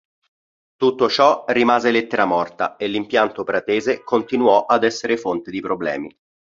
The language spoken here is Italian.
Tutto ciò rimase lettera morta e l'impianto pratese continuò ad essere fonte di problemi.